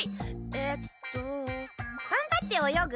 えっとがんばって泳ぐ？